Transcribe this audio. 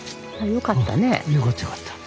よかった。